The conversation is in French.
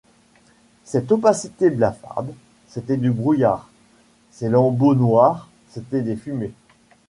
Cette opacité blafarde, c’était du brouillard, ces lambeaux noirs, c’étaient des fumées.